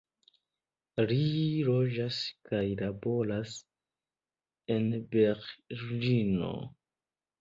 Li loĝas kaj laboras en Berlino.